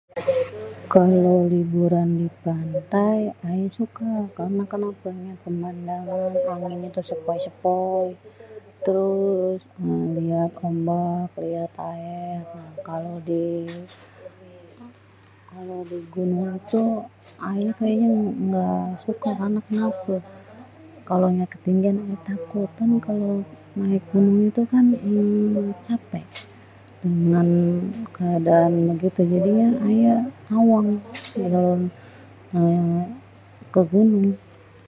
Kalo liburan di pantai ayé suka karena kenape ngeliat pemandangan anginnya tuh sepoy-sepoy, terus eee liat ombak, liat aér. kalo di gunung tuh aye kayanye engga suka karena kenape kalo ngeliat ketinggian ayé takut kan kalo naek gunung itu kan cape dengan keadaan begitu jadinye ayé awang ke gunung.